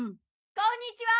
こんにちは。